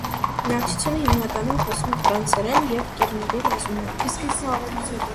Բնակչությունը հիմնականում է խոսում է ֆրանսերեն և կիրունդի լեզուներով։